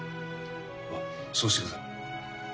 はそうしてください。